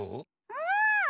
うん！